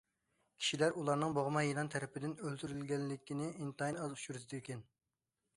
كىشىلەر ئۇلارنىڭ بوغما يىلان تەرىپىدىن ئۆلتۈرۈلگەنلىكىنى ئىنتايىن ئاز ئۇچرىتىدىكەن.